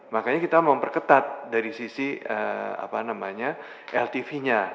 makanya kita memperketat dari sisi ltv nya